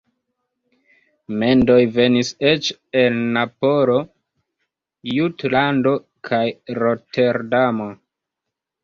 Mendoj venis eĉ el Napolo, Jutlando kaj Roterdamo.